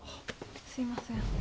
すいません。